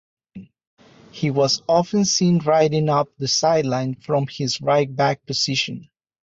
He was often seen raiding up the sideline from his right back position.